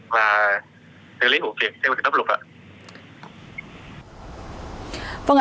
và xử lý vụ việc theo bản tin tốc lục ạ